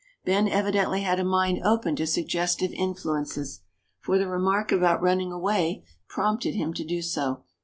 Ben evidently had a mind open to suggestive influences, for the remark about running away prompted him to do so.